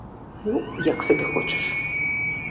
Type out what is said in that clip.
Ну, як сабе хочаш!